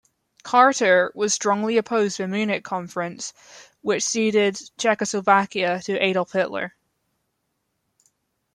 Carter was strongly opposed to the Munich Conference, which ceded Czechoslovakia to Adolf Hitler.